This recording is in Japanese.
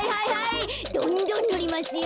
どんどんぬりますよ。